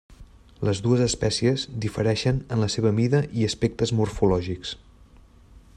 Les dues espècies difereixen en la seva mida i aspectes morfològics.